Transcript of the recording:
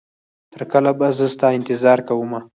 تر کله به زه ستا انتظار کومه